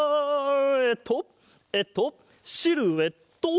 えっとえっとシルエット！